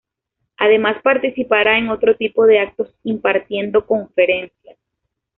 Además participará en otro tipo de actos impartiendo conferencias.